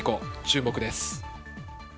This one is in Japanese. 注目です。